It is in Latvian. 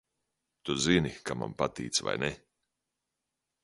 Tu zini, ka man patīc, vai ne?